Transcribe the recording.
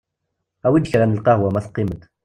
Awi-d kra n lqahwa ma teqqim-d.